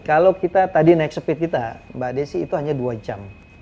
kalau kita tadi naik speed kita mbak desi itu hanya dua jam